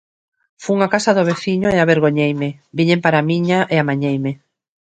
Fun á casa do veciño e avergoñeime, viñen para a miña e amañeime.